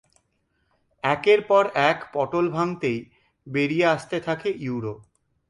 একের পর এক পটোল ভাঙতেই বেরিয়ে আসতে থাকে ইউরো।